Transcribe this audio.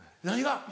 何が？